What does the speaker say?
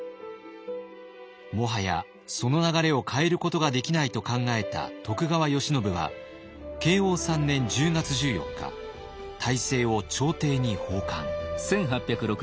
もはやその流れを変えることができないと考えた徳川慶喜は慶応３年１０月１４日大政を朝廷に奉還。